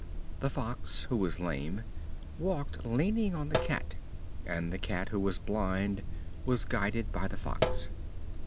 The Fox, who was lame, walked leaning on the Cat; and the Cat, who was blind, was guided by the Fox.